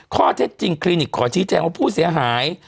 ข้อเท็จจริงคลินิกขอชี้แจงว่าผู้เสียหาย